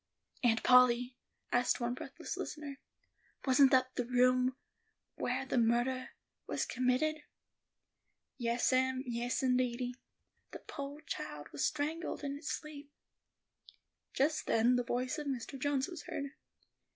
"Aunt Polly," asked one breathless listener, "wasn't that the room whar the murdah was committed?" "Yas, em; yes indeedy; the poor child was strangled in its sleep." Just then the voice of Mr. Jones was heard.